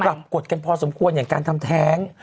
กฎกันพอสมควรอย่างการทำแท้ง